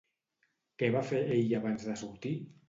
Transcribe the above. Què va fer ell abans de sortir?